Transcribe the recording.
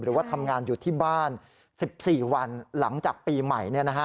หรือว่าทำงานอยู่ที่บ้าน๑๔วันหลังจากปีใหม่